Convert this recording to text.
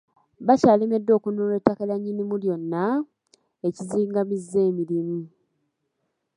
Bakyalemeddwa okununula ettaka lya Nnyinimu lyonna, ekizing'amizza emirimu.